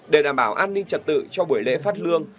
để đảm bảo an ninh trật tự cho buổi lễ phát lương